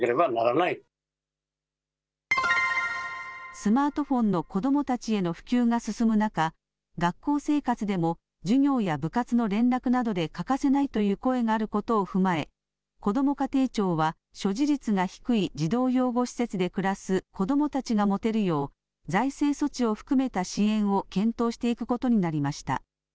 スマートフォンの子どもたちへの普及が進む中、学校生活でも授業や部活の連絡などで欠かせないという声があることを踏まえこども家庭庁は所持率が低い児童養護施設で暮らす子どもたちが持てるよう財政措置を含めた支援を検討していくことになりました。